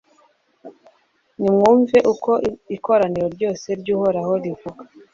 nimwumve uko ikoraniro ryose ry'uhoraho rivuga